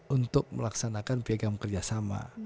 untuk melaksanakan piagam kerjasama